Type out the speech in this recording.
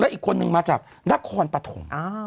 อีกคนนึงมาจากนครปฐม